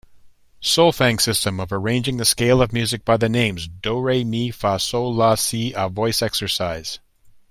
Solfaing system of arranging the scale of music by the names do, re, mi, fa, sol, la, si a voice exercise.